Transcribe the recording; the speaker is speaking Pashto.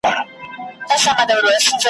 تر ماپښینه تر دوو دریو کلیو را تېر سو `